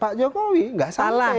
pak jokowi tidak sampai